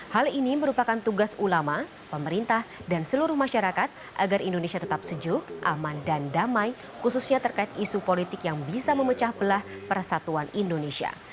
hal ini merupakan tugas ulama pemerintah dan seluruh masyarakat agar indonesia tetap sejuk aman dan damai khususnya terkait isu politik yang bisa memecah belah persatuan indonesia